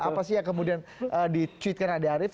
apa sih yang kemudian dicuitkan andi arief